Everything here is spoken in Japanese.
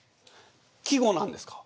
季語なんですか？